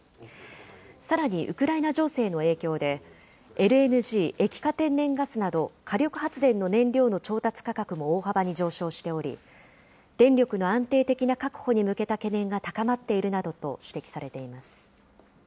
さらにウクライナ情勢の影響で、ＬＮＧ・液化天然ガスなど、火力発電の燃料の調達価格も大幅に上昇しており、電力の安定的な確保に向けた懸念が高まっているなどと指摘されています。